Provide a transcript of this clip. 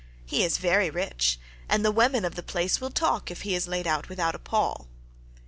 He is very rich, and the women of the place will talk if he is laid out without a pall.